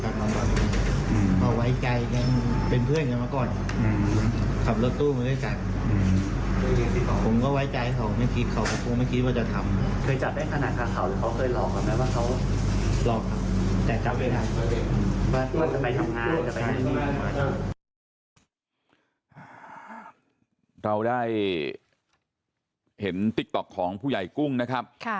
เราได้ติ๊กต๊อกของผู้ใหญ่กุ้งนะครับ